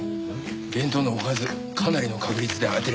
弁当のおかずかなりの確率で当てられるぞ。